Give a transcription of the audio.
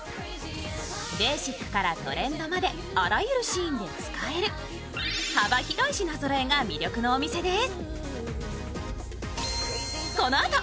ベーシックからトレンドまであらゆるシーンで使える幅広い品ぞろえが魅力のお店です。